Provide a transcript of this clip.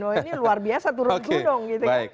oh ini luar biasa turun gunung gitu ya